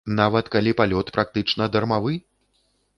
Нават калі палёт практычна дармавы?